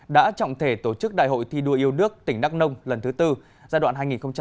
đã trọng thể tổ chức đại hội thi đua yêu nước tỉnh đắk nông lần thứ tư giai đoạn hai nghìn hai mươi hai nghìn hai mươi năm